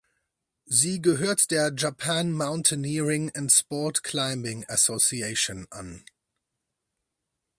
Sie gehört der Japan Mountaineering and Sport Climbing Association an.